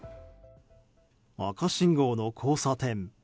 赤信号の交差点。